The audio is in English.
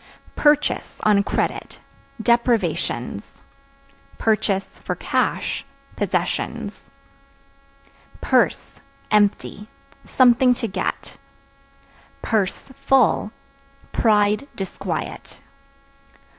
Purchase (On credit) deprivations; (for cash) possessions. Purse (Empty) something to get; (full) pride, disquiet.